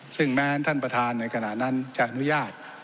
ซึ่งแม้ท่านประธานในขณะนั้นจะอนุญาต